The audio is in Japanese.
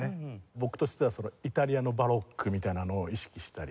僕としてはイタリアのバロックみたいなのを意識したり。